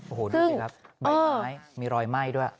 โอ้โหดูสิครับใบไม้มีรอยไหม้ด้วย